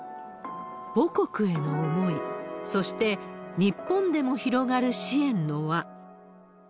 母国への思い、そして日本でも広がる支援の輪。